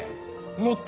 乗った！